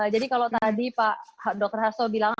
jadi kalau tadi dokter hasso bilang